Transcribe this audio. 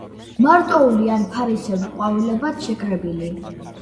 მარტოული ან ფარისებრ ყვავილებად შეკრებილი.